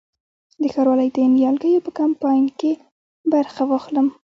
د ښاروالۍ د نیالګیو په کمپاین کې برخه واخلم؟